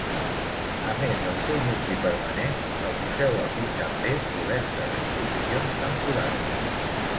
A més del seu nucli permanent, el museu acull també diverses exposicions temporals.